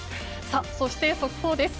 そして、速報です。